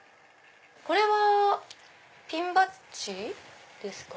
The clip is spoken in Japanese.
これはピンバッジですか？